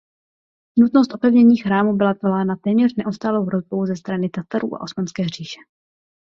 Nutnost opevnění chrámu byla vyvolána téměř neustálou hrozbou ze strany Tatarů a Osmanské říše.